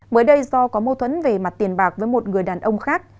mới đây do có mâu thuẫn về mặt tiền bạc với một người đàn ông khác